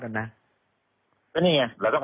เพราะว่าตอนแรกมีการพูดถึงนิติกรคือฝ่ายกฎหมาย